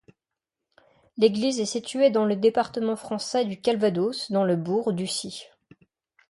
L'église est située dans le département français du Calvados, dans le bourg d'Ussy.